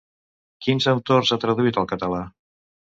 Quins autors ha traduït al català?